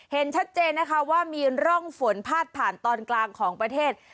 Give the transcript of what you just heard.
เห็นชัดเจนนะคะว่ามีร่องฝนพาดผ่านตอนกลางของประเทศ